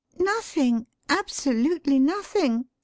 "Nothing, absolutely nothing!"